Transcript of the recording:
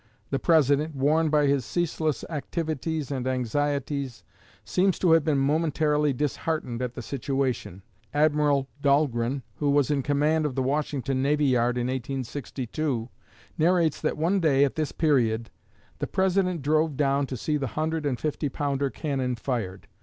The President, worn by his ceaseless activities and anxieties, seems to have been momentarily disheartened at the situation. Admiral Dahlgren, who was in command of the Washington navy yard in 1862, narrates that one day, at this period, "the President drove down to see the hundred and fifty pounder cannon fired.